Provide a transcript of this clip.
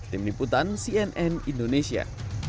tim liputan cnn indonesia